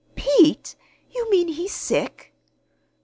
"Pete! You mean he's sick?"